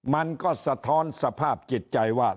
มันก็สะท้อนสภาพจิตใจว่า